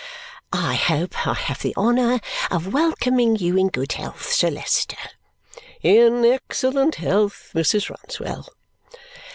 "I hope I have the honour of welcoming you in good health, Sir Leicester?" "In excellent health, Mrs. Rouncewell."